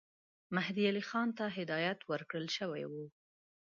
مهدي علي خان ته هدایت ورکړه شوی وو.